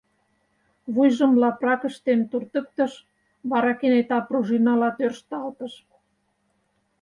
Вуйжым лапрак ыштен туртыктыш, вара кенета пружинла тӧршталтыш.